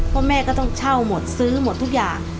เพราะแม่ก็ต้องเช่าหมดซื้อหมดทุกอย่าง